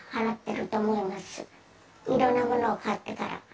いろんなものを買ったから。